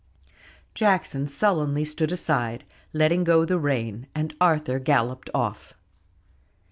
Jackson sullenly stood aside, letting go the rein, and Arthur galloped off.